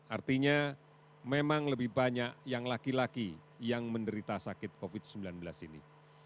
artinya memang lebih banyak yang laki laki yang menderita sakit covid sembilan belas ini